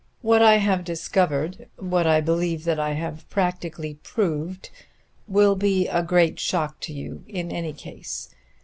What I have discovered what I believe that I have practically proved will be a great shock to you in any case.